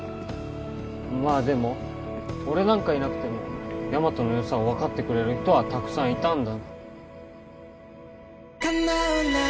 まあでも俺なんかいなくてもヤマトのよさを分かってくれる人はたくさんいたんだ